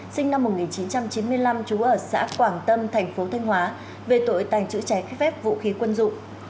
sinh năm một nghìn chín trăm chín mươi năm chú ở xã quảng tâm thành phố thanh hóa về tội tài trữ trẻ khép phép vũ khí quân dụng